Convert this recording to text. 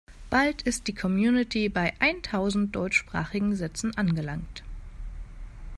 Bald ist die Community bei eintausend deutschsprachigen Sätzen angelangt.